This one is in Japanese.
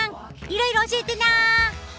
いろいろ教えてな！